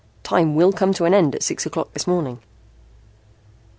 "Time will come to an end at six o'clock this morning."